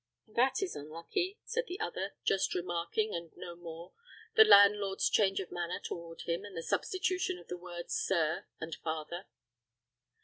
"That is unlucky," said the other, just remarking, and no more, the landlord's change of manner toward him, and the substitution of the words sir and father.